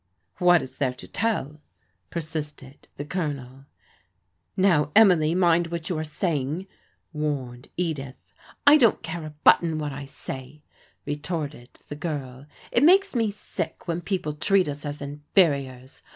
" What is there to tell? " persisted the CbloneL THE COLONEL VISITS CAMDEN TOWN 137 •* Now, Emily, mind what you are saying," warned Edith. I don't care a button what I say," retorted the girl. It makes me sick when people treat us as inferiors.